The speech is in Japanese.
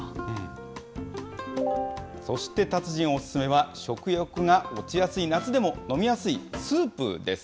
そして達人お勧めは、食欲が落ちやすい夏でも飲みやすいスープです。